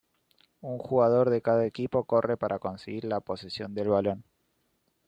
Un jugador de cada equipo corre para conseguir la posesión del balón.